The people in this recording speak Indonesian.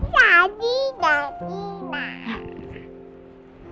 sadi sadi bang